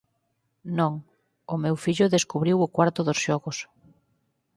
Non, o meu fillo descubriu o cuarto dos xogos.